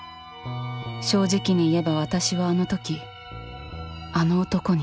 正直に言えば私はあのときあの男に。